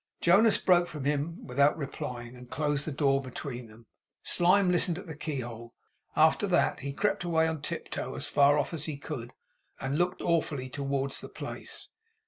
Jonas broke from him without replying, and closed the door between them. Slyme listened at the keyhole. After that, he crept away on tiptoe, as far off as he could; and looked awfully towards the place.